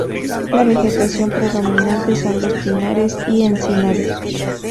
La vegetación predominante son los pinares y encinares.